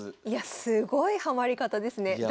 いやすごいハマり方ですね。